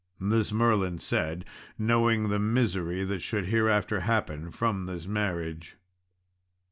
This Merlin said, knowing the misery that should hereafter happen from this marriage.